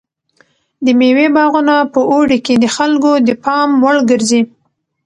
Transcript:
د مېوې باغونه په اوړي کې د خلکو د پام وړ ګرځي.